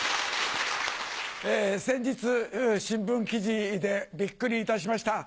先日新聞記事でビックリいたしました。